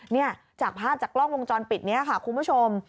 เนี่ยจากภาพจากกล้องวงจรปิดนี้ค่ะคุณผู้ชม